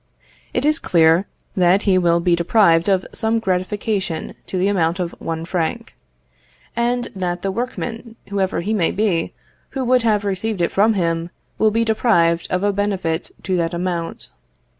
It is clear that he will be deprived of some gratification to the amount of one franc; and that the workman, whoever he may be, who would have received it from him, will be deprived of a benefit to that amount.